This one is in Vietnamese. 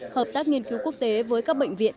hợp tác nghiên cứu quốc tế với các bệnh viện